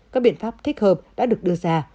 các biện pháp thích hợp đã được đưa ra